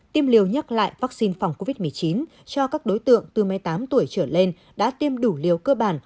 tiêm liều nhắc lại vaccine phòng covid một mươi chín cho các đối tượng từ một mươi tám tuổi trở lên đã tiêm đủ liều cơ bản